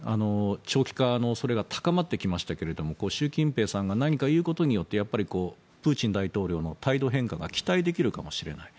長期化の恐れが高まってきましたけれども習近平さんが何か言うことによってプーチン大統領の態度変化が期待できるかもしれない。